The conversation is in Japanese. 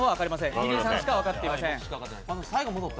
リリーさんしか分かっていません。